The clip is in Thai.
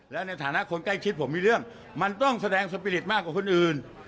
แล้วในฐานะคนใกล้ชิดผมมีเรื่องมันต้องแสดงสปีริตมากกว่าคนอื่น